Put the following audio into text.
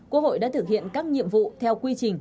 quốc hội đã thực hiện các nhiệm vụ theo quy trình